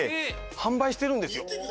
販売してるんですよ